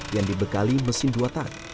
yang dibekali mesin dua tak